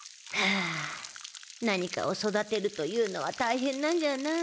あ何かを育てるというのはたいへんなんじゃなあ。